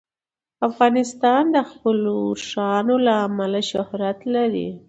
افغانستان د خپلو اوښانو له امله شهرت لري.